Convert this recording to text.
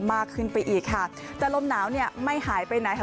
มากขึ้นไปอีกค่ะแต่ลมหนาวเนี่ยไม่หายไปไหนค่ะ